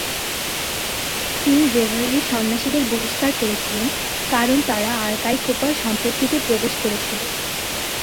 তিনি বেভারলির সন্ন্যাসীদের বহিষ্কার করেছিলেন কারণ তারা আর্কাইকোপাল সম্পত্তিতে প্রবেশ করেছিল।